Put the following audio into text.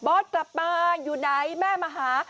บอสกลับบ้านอยู่ไหนแม่มาหา